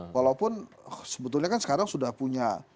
walaupun sebetulnya kan sekarang sudah punya